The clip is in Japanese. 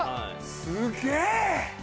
すげえ！